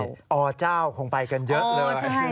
อเจ้าคงไปกันเยอะเลย